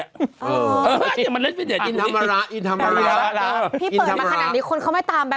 อยากเห็นน่ารายวะ